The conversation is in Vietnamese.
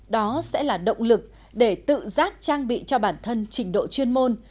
đó sẽ là động lực để tự giác trang bị cho bản thân trình độ chuyên môn